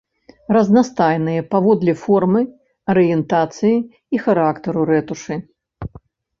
Разнастайныя паводле формы, арыентацыі і характару рэтушы.